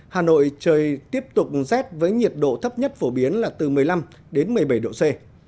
hà nội trời tiếp tục rét với nhiệt độ thấp nhất phổ biến là từ một mươi năm đến một mươi bảy độ c